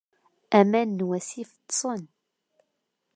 Aman n wasif ṭṣen.